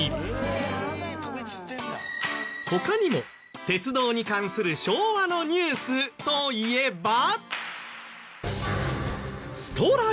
他にも鉄道に関する昭和のニュースといえば。